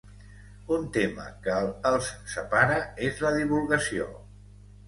Un tema que els separa és la divulgació.